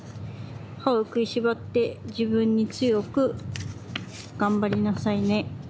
歯をくいしばって自分に強くがんばりなさいね。